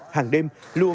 hàng đêm luôn